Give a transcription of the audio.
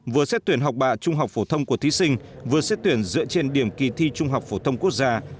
vừa xét tuyển học bạ trung học phổ thông của thí sinh vừa xét tuyển dựa trên điểm kỳ thi trung học phổ thông quốc gia